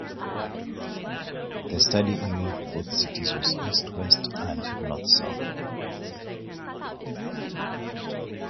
The study area for both cities was East-West and North-South.